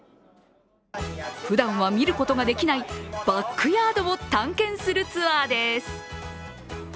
ふだんは見ることができないバックヤードを探検するツアーです。